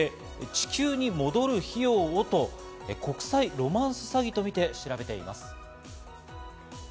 続いて、地球に戻る費用をと、国際ロマンス詐欺とみて調べています。